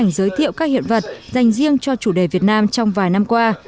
nga đã giới thiệu các hiện vật dành riêng cho chủ đề việt nam trong vài năm qua